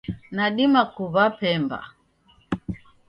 Nadima kuwa pemba